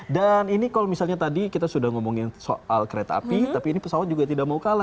dan ini kalau misalnya tadi kita sudah ngomongin soal kereta api tapi ini pesawat juga tidak mau kalah